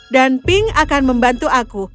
dan pink akan membantu aku